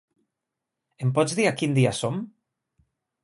Em pots dir a quin dia som?